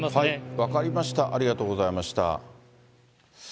分かりました、ありがとうございました。